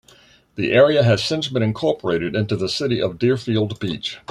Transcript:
The area has since been incorporated into the city of Deerfield Beach.